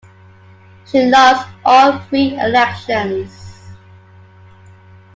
She lost all three elections.